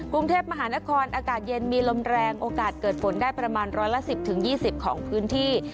กรุงเทพมหานครอากาศเย็นมีลมแรงโอกาสเกิดฝนได้ประมาณร้อยละ๑๐๒๐ของพื้นที่